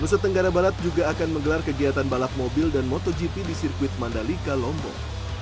nusa tenggara barat juga akan menggelar kegiatan balap mobil dan motogp di sirkuit mandalika lombok